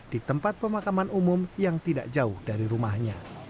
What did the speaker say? di tempat pemakaman umum yang tidak jauh dari rumahnya